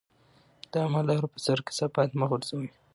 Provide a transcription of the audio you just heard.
د عامه لارو پر سر کثافات مه غورځوئ.